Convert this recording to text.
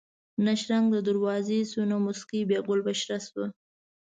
نه شرنګ د دروازې شو نه موسکۍ بیا ګل بشره شوه